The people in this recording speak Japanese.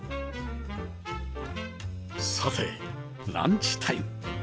さてランチタイム。